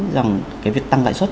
rằng cái việc tăng lãi suất